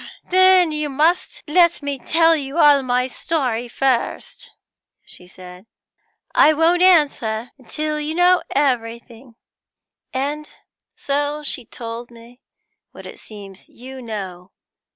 'Then you must let me tell you all my story first,' she said. 'I won't answer till you know everything.' And so she told me what it seems you know.